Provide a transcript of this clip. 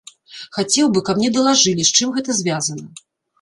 Хацеў бы, каб мне далажылі, з чым гэта звязана.